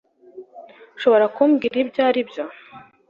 urashobora kumbwira ibyo aribyo